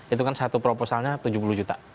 itu kan satu proposalnya tujuh puluh juta